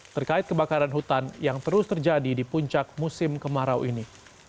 terkait kebakaran hutan yang terus terjadi di puncak musim kemarau ini